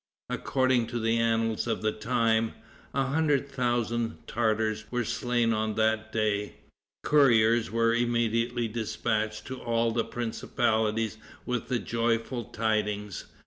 According to the annals of the time, a hundred thousand Tartars were slain on that day. Couriers were immediately dispatched to all the principalities with the joyful tidings.